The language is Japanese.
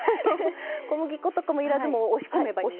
小麦粉とかも要らずもう押し込めばいいのね。